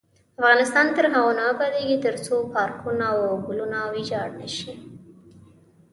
افغانستان تر هغو نه ابادیږي، ترڅو پارکونه او ګلونه ویجاړ نشي.